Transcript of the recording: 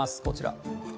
こちら。